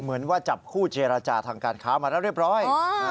เหมือนว่าจับคู่เจรจาทางการค้ามาแล้วเรียบร้อย